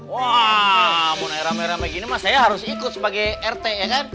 wah mau ngerame rame gini mah saya harus ikut sebagai rt ya kan